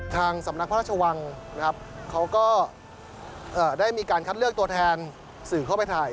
ทางสำนักพระราชวังนะครับเขาก็ได้มีการคัดเลือกตัวแทนสื่อเข้าไปถ่าย